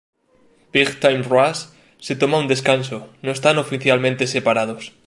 Big Time Rush se toma un descanso, no están oficialmente separados.